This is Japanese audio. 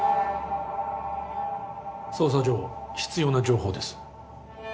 捜査上必要な情報です